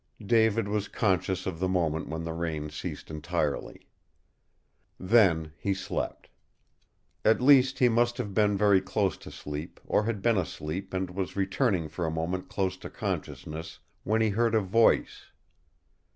David was conscious of the moment when the rain ceased entirely. Then he slept. At least he must have been very close to sleep, or had been asleep and was returning for a moment close to consciousness, when he heard a voice.